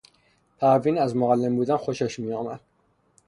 پروین از معلم بودن خوشش میآمد.